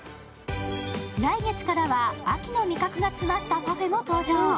来月からは秋の味覚が詰まったパフェも登場。